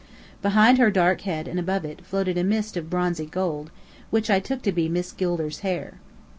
Behind her dark head and above it, floated a mist of bronzy gold, which I took to be Miss Gilder's hair.